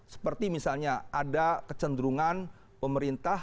seperti misalnya ada kecenderungan pemerintah